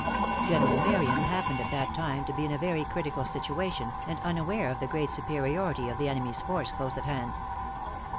General Marion happened at that time to be in a very critical situation, and unaware of the great superiority of the enemy's force close at hand.